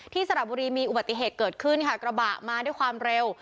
สระบุรีมีอุบัติเหตุเกิดขึ้นค่ะกระบะมาด้วยความเร็ว